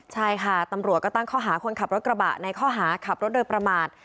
ใช่ค่ะตำรวจก็ตั้งข้อหาคนขับรถกระบะในข้อหาขับรถโดยประมาท